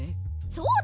そうだ！